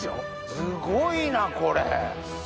⁉すごいなこれ。